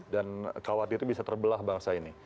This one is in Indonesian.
dan khawatirnya bisa terbelah bangsa ini